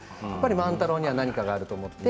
万太郎には何かがあると思って。